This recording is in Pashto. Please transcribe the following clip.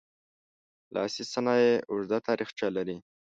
لاسي صنایع اوږده تاریخچه لري.